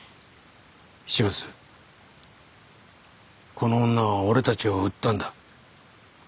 この女は俺たちを売ったんだ。